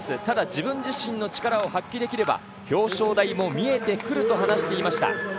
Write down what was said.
ただ、自分自身の力を発揮できれば表彰台も見えてくると話していました。